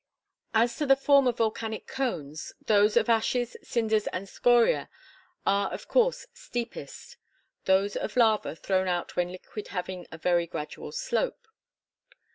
As to the form of volcanic cones, those of ashes, cinders, and scoria are of course steepest; those of lava thrown out when liquid having a very gradual slope.